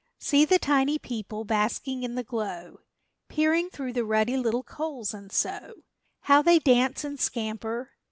See the tiny people basking in the glow, Peering through the ruddy little coals, and so How they dance and scamper!